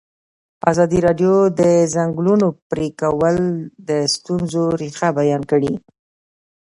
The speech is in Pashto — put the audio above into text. ازادي راډیو د د ځنګلونو پرېکول د ستونزو رېښه بیان کړې.